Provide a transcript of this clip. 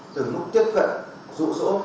từ lúc tiếp cận rụ rộ